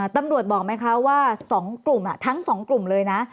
ตำรวจบอกไหมคะว่าทั้งสองกลุ่มเลยนะ